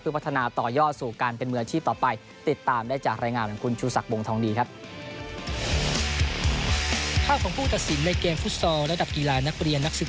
เพื่อพัฒนาต่อยอดสู่การเป็นมืออาชีพต่อไป